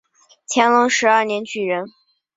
乾隆十二年举人。